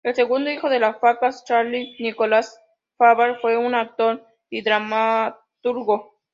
El segundo hijo de los Favart, Charles Nicolas Favart, fue un actor y dramaturgo.